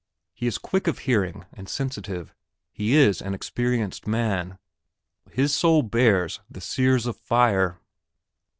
He is quick of hearing, and sensitive; he is an experienced man, his soul bears the sears of the fire....